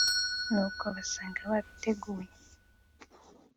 nuko basanga babiteguye